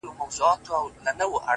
ځمه گريوان پر سمندر باندي څيرم _